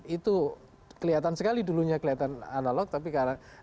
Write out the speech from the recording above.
itu kelihatan sekali dulunya kelihatan analog tapi karena